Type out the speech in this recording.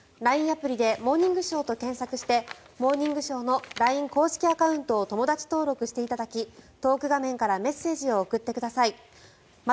アプリで「モーニングショー」と検索をして「モーニングショー」のＬＩＮＥ公式アカウントを友だち登録していただきトーク画面からメッセージを送ってください。